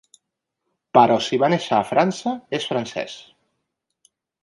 Però si va néixer a França és francès!